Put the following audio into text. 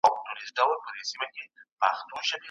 ستاسو یو کلیک بدلون راوستلی سي.